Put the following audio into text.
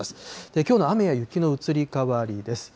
きょうの雨や雪の移り変わりです。